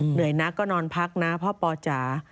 เหนื่อยนักก็นอนพักนะพ่อปอจ๋า